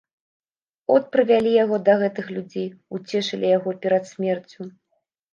От прывялі яго да гэтых людзей, уцешылі яго перад смерцю.